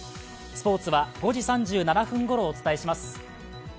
スポーツは５時３７分ごろお伝えします。